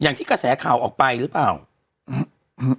อย่างที่กระแสข่าวออกไปหรือเปล่าอืม